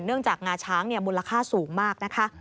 จากงาช้างมูลค่าสูงมากนะคะ